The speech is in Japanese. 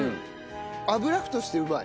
油麩としてうまい。